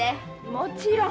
もちろん。